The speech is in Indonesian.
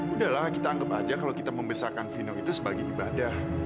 udahlah kita anggap aja kalau kita membesarkan vino itu sebagai ibadah